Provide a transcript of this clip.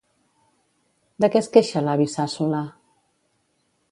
De què es queixa l'avi Sàssola?